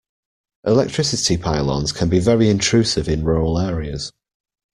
Electricity pylons can be very intrusive in rural areas